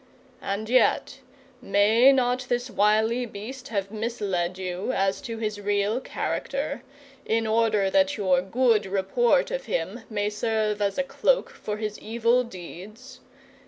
And yet may not this wily beast have misled you as to his real character, in order that your good report of him may serve as a cloak for his evil deeds?